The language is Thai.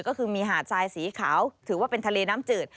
ก็คือมีหาดทรายสีขาวถือว่าเป็นทะเลน้ำจืด